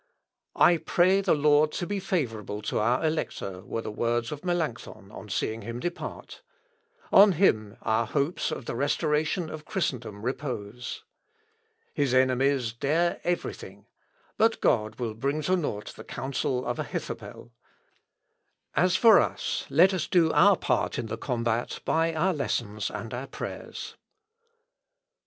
"I pray the Lord to be favourable to our Elector," were the words of Melancthon on seeing him depart; "on him our hopes of the restoration of Christendom repose. His enemies dare every thing, και παντα λιθον κινησομενους; but God will bring to nought the counsel of Ahithophel. As for us, let us do our part in the combat by our lessons and our prayers."